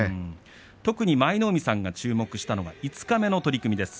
特に舞の海さんが注目したのは五日目の取組です。